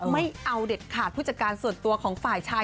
ไม่เอาเด็ดขาดผู้จัดการส่วนตัวของฝ่ายชาย